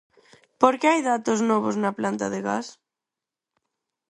Porque hai datos novos na planta de gas.